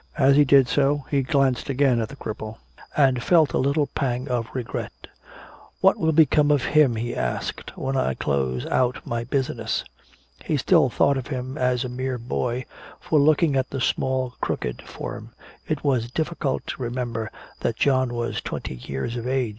As he did so he glanced again at the cripple and felt a little pang of regret. "What will become of him," he asked, "when I close out my business?" He still thought of him as a mere boy, for looking at the small crooked form it was difficult to remember that John was twenty years of age.